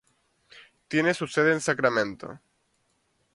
Tiene su sede en Sacramento.